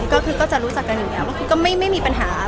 ก็คือก็จะรู้จักกันอยู่แล้วก็คือก็ไม่มีปัญหา